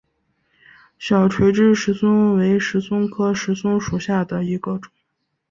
小垂枝石松为石松科石松属下的一个种。